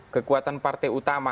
kekuatan partai utama